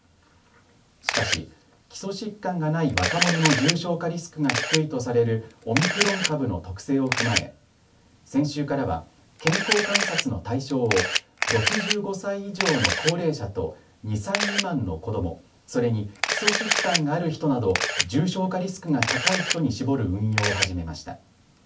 しかし基礎疾患がない若者の重症化リスクが低いとされるオミクロン株の特性を踏まえ先週からは健康観察の対象を６５歳以上の高齢者と２歳未満の子ども、それに基礎疾患がある人など重症化リスクが高い人に絞る運用を始めました。